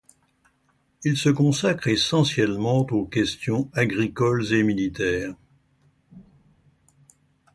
Il se consacre essentiellement aux questions agricoles et militaires.